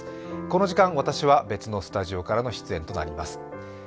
この時間、私は別のスタジオからの出演となります。